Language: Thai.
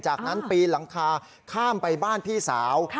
จากนั้นปีนหลังคาข้ามไปบ้านพี่สาว